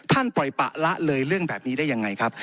ปล่อยปะละเลยเรื่องแบบนี้ได้ยังไงครับ